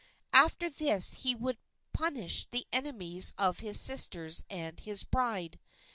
After this he would punish the enemies of his sisters and his bride.